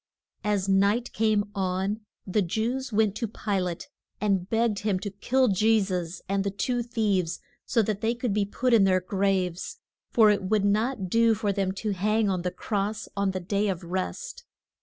] As night came on the Jews went to Pi late and begged him to kill Je sus and the two thieves so that they could be put in their graves. For it would not do for them to hang on the cross on the day of rest.